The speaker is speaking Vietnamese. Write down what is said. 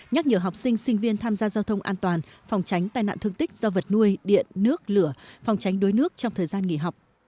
nhắc nhở học sinh sinh viên tham gia giao thông an toàn phòng tránh tai nạn thương tích do vật nuôi điện nước lửa phòng tránh đuối nước trong thời gian nghỉ học